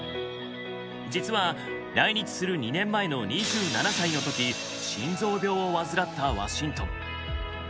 実は来日する２年前の２７歳の時心臓病を患ったワシントン。